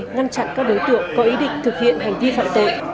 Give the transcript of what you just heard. ngăn chặn các đối tượng có ý định thực hiện hành vi phạm tội